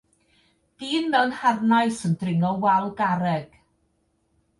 dyn mewn harnais yn dringo wal garreg